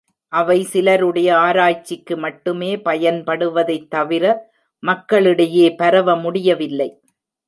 அவை சிலருடைய ஆராய்ச்சிக்கு மட்டுமே பயன்படுவதைத் தவிர மக்களிடையே பரவ முடியவில்லை.